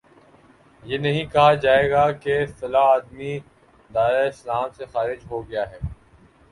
یہ نہیں کہا جائے گا کہ فلاں آدمی دائرۂ اسلام سے خارج ہو گیا ہے